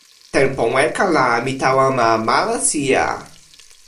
tenpo weka la mi tawa ma Malasija.